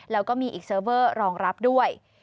แล้วก็มีอีกเซิร์ฟเวอร์รองรับด้วย